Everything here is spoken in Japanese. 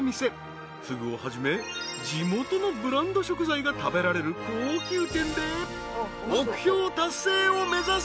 ［ふぐをはじめ地元のブランド食材が食べられる高級店で目標達成を目指す］